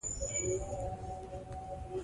د الله نوم سره هره ستونزه اسانه کېږي.